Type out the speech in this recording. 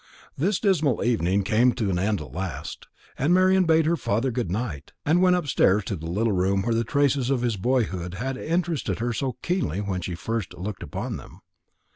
The dismal evening came to an end at last, and Marian bade her father good night, and went upstairs to the little room where the traces of his boyhood had interested her so keenly when first she looked upon them.